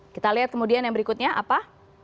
kita lihat kemudian yang berikutnya apa